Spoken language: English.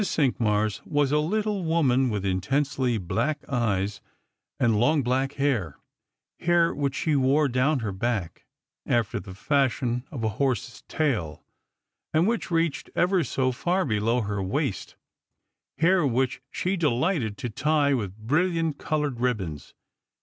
Cinqmars was a little woman, with intensely black eyes tnd long black hair — hair which she wore down her back, after the fashion of a horse's tail, and which reached ever so far below her waist — hair which she delighted to tic with bright coloured ribbons.